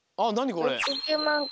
これ。